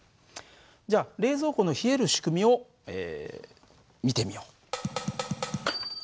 じゃあ冷蔵庫の冷える仕組みを見てみよう。